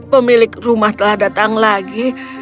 pemilik rumah telah datang lagi